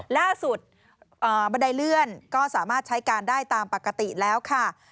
ล่าสุดบันไดเลื่อนก็สามารถใช้การได้ตามปกติแล้วค่ะ